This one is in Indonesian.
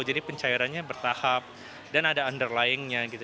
jadi pencairannya bertahap dan ada underlyingnya gitu